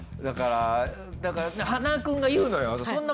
だから塙くんが言うのよ。